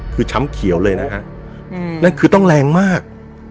คือช้ำเขียวเลยนะฮะนั่นคือต้องแรงมาก